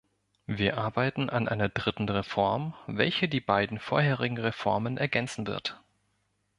Wir arbeiten an einer dritten Reform, welche die beiden vorherigen Reformen ergänzen wird.